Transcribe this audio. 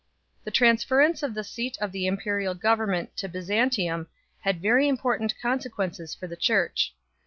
The transference of the seat of the imperial government to Byzantium had very important consequences for the Church.